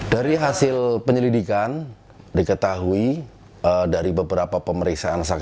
dari hasil penyelidikan diketahui dari beberapa pemeriksaan saksi